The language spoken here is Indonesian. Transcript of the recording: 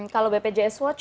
kalau bpjs what